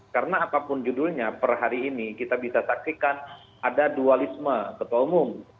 karena apapun judulnya per hari ini kita bisa saksikan ada dualisme ketua umum